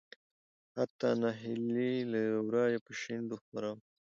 حتا نهيلي له ورايه په شنډو خوره وه .